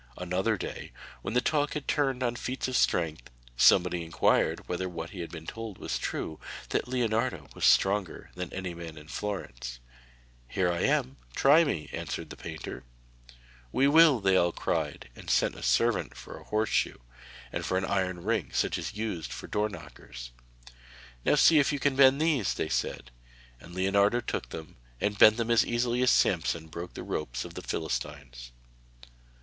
Another day, when the talk had turned on feats of strength, somebody inquired whether what he had been told was true, that Leonardo was stronger than any man in Florence. 'Here I am; try me,' answered the painter. 'We will,' they all cried, and sent a servant for a horseshoe, and for an iron ring such as was used for doorknockers. 'Now see if you can bend these,' they said, and Leonardo took them and bent them as easily as Samson broke the ropes of the Philistines.